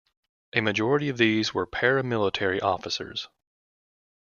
A majority of these were paramilitary officers.